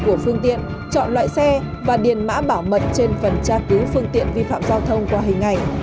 của phương tiện chọn loại xe và điền mã bảo mật trên phần tra cứu phương tiện vi phạm giao thông qua hình ảnh